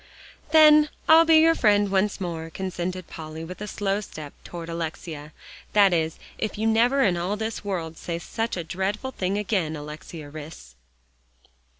"Then I'll be your friend once more," consented Polly with a slow step toward Alexia, "that is, if you never in all this world say such a dreadful thing again, Alexia Rhys."